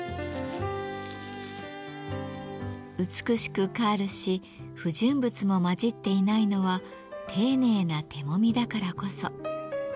美しくカールし不純物も混じっていないのは丁寧な手もみだからこそ。